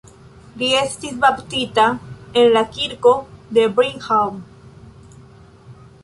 Li estis baptita en la kirko de Brigham.